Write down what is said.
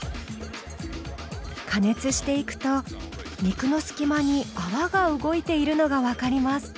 加熱していくと肉の隙間に泡が動いているのが分かります。